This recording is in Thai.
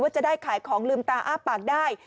จะได้ขายของลืมตาอ้าปากได้